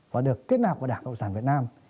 và được kết nạp vào đảng cộng sản việt nam